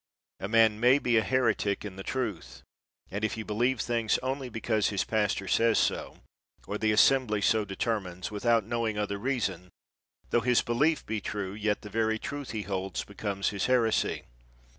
A man may be a heretic in the truth; and if he believe things only because his pastor says so, or the assembly so determines, without knowing other reason, tho his belief be true, yet the very truth he holds becomes his heresy.